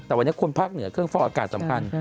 แต่วันนี้คนภาคเหนือเครื่องฟอกอากาศสำคัญ